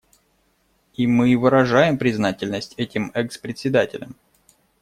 И мы и выражаем признательность этим экс-председателям.